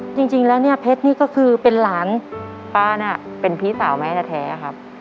จริงแล้วเนี่ยเพชรนี่ก็คือเป็นหลานป้าน่ะเป็นพี่สาวแม่แท้ครับ